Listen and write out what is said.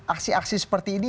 aksi aksi seperti ini